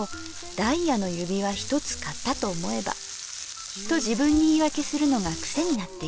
ダイヤの指輪一つ買ったと思えばと自分に言いわけするのが癖になっている。